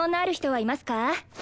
はい！